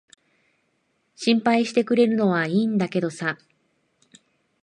心配してくれるのは良いんだけどさ。